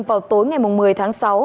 vào tối ngày một mươi tháng sáu